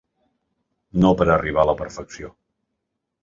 No per arribar a la perfecció.